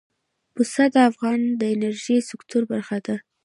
پسه د افغانستان د انرژۍ سکتور برخه ده.